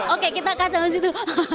oke kita katakan di situ